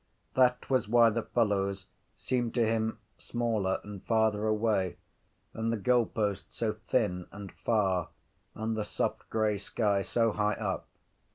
That was why the fellows seemed to him smaller and farther away and the goalposts so thin and far and the soft grey sky so high up.